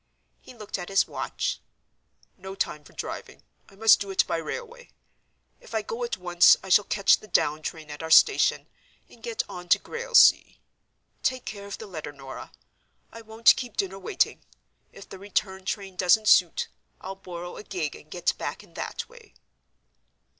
He looked at his watch. "No time for driving; I must do it by railway. If I go at once, I shall catch the down train at our station, and get on to Grailsea. Take care of the letter, Norah. I won't keep dinner waiting; if the return train doesn't suit, I'll borrow a gig and get back in that way."